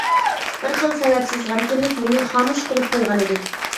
بىر خىل سەۋەبسىز غەمكىنلىك مېنى خامۇش قىلىپ قويغانىدى.